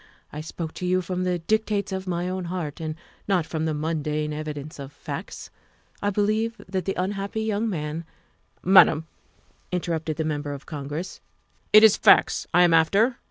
I spoke to you from the dictates of my own heart and not from the mundane evidence of facts. I believe that the unhappy young man " THE SECRETARY OF STATE 287 " Madam," interrupted the Member of Congress, " it is facts I am after.